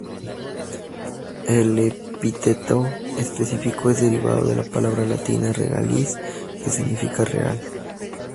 El epíteto específico es derivado de la palabra latina "regalis", que significa "real".